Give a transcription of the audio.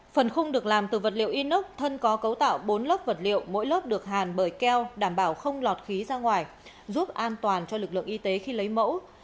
phần khung được làm từ vật liệu inox thân có cấu tạo bốn lớp vật liệu mỗi lớp được hàn bởi keo đảm bảo không lọt khí ra ngoài giúp an toàn cho lực lượng y tế khi lấy mẫu